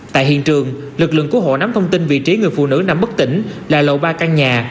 tại hiện trường lực lượng cứu hộ nắm thông tin vị trí người phụ nữ nằm bất tỉnh là lầu ba căn nhà